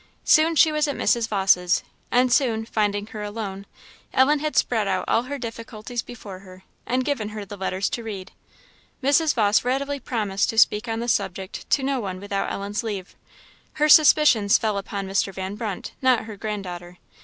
Soon she was at Mrs. Vawse's; and soon, finding her alone, Ellen had spread out all her difficulties before her and given her the letters to read. Mrs. Vawse readily promised to speak on the subject to no one without Ellen's leave; her suspicions fell upon Mr. Van Brunt, not her grand daughter.